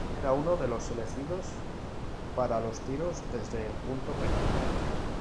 Era uno de los elegidos para los tiros desde el punto penal.